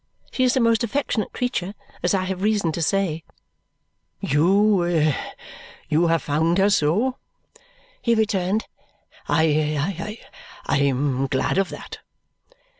She is a most affectionate creature, as I have reason to say." "You you have found her so?" he returned. "I I am glad of that."